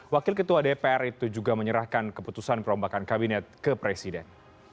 wakil ketua dpr itu juga menyerahkan keputusan perombakan kabinet ke presiden